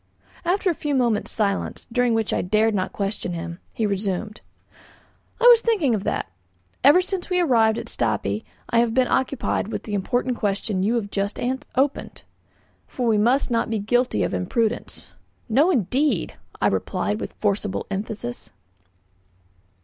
After a few moments' silence, during which I dared not question him, he resumed: "I was thinking of that. Ever since we arrived at Stapi I have been occupied with the important question you have just opened, for we must not be guilty of imprudence." "No, indeed!" I replied with forcible emphasis.